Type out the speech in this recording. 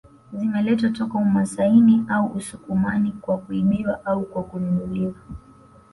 Zimeletwa toka umasaini au usukumani kwa kuibiwa au kwa kununuliwa